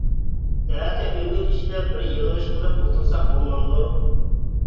ئەتە ئۆگۈن ئىچىدە بىر يىغىلىش قىلىپ ئولتۇرساق بولمامدۇ.